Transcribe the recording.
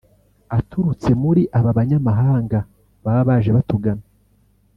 aturutse muri aba banyamahanga baba baje batugana